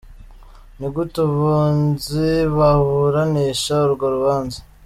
Ni gute abunzi baburanisha urwo rubanza?